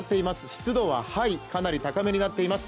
湿度はかなり高めになっています。